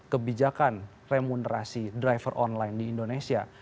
kebijakan remunerasi driver online di indonesia